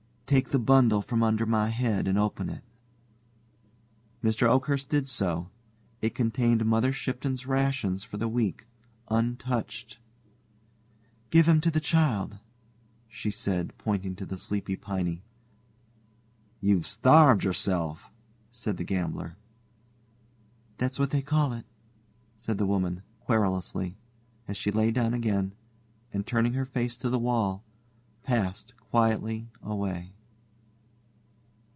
Take the bundle from under my head and open it." Mr. Oakhurst did so. It contained Mother Shipton's rations for the last week, untouched. "Give 'em to the child," she said, pointing to the sleeping Piney. "You've starved yourself," said the gambler. "That's what they call it," said the woman, querulously, as she lay down again and, turning her face to the wall, passed quietly away.